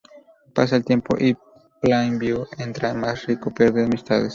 Pasa el tiempo y Plainview entre más rico, pierde amistades.